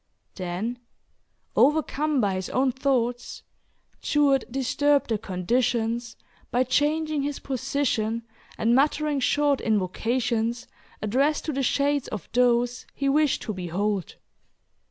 Then, overcome by his own thoughts, Jewett disturbed the "conditions" by changing his position, and muttering short invocations, addressed to the shades of those he wished to behold.